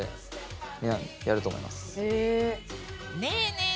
ねえねえ